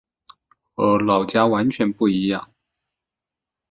和老家完全不一样